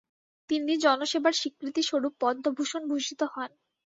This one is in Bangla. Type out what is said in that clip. তিনি জনসেবার স্বীকৃতিস্বরূপ পদ্মভূষণ ভূষিত হন।